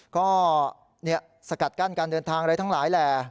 ก็สกัดกั้นการเดินทางอะไรทั้งหลายแหล่